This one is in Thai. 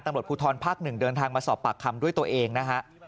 ตำรวจภูทรภาค๑เดินทางมาสอบปากคำด้วยตัวเองนะฮะ